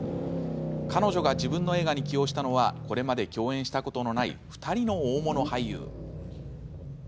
彼女が自分の映画に起用したのはこれまで共演したことのない２人の大物俳優。